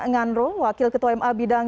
nganro wakil ketua ma bidang